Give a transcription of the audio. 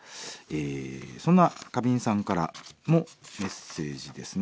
そんな花瓶さんからのメッセージですね。